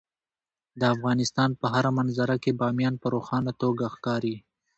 د افغانستان په هره منظره کې بامیان په روښانه توګه ښکاري.